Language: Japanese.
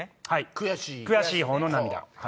悔しいほうの涙。